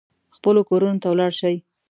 خپلو کورونو ته ولاړ شي.